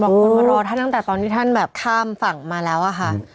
คนมารอท่านตั้งแต่ตอนที่ท่านแบบข้ามฝั่งมาแล้วอะค่ะ